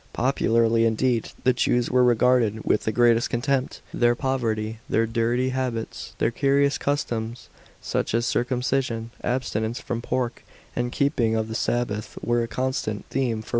Popularly, indeed, the Jews were regarded with the greatest contempt. Their poverty, their dirty habits, their curious customs — such as circumcision, abstinence from pork, and the keeping of the Sabbath f — were a constant theme for ridicule.